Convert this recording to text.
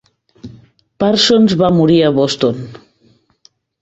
Parsons va morir a Boston.